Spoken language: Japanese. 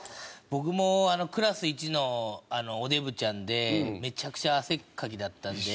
僕もクラスいちのおデブちゃんでめちゃくちゃ汗っかきだったんで。